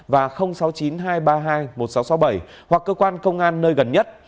và sáu mươi chín hai trăm ba mươi hai một nghìn sáu trăm sáu mươi bảy hoặc cơ quan công an nơi gần nhất